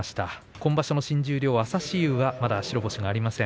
今場所の新十両、朝志雄はまだ白星がありません。